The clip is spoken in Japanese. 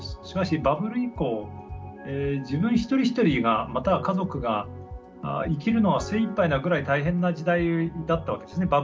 しかしバブル以降自分一人一人がまたは家族が生きるのは精いっぱいなぐらい大変な時代だったわけですね